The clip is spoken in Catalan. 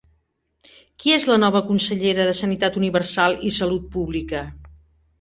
Qui és la nova consellera de Sanitat Universal i Salut Pública?